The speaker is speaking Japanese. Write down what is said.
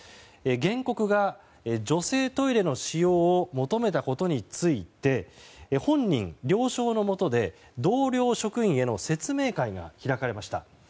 原告が女性トイレの使用を求めたことについて本人了承のもとで、同僚職員への説明会が開かれました。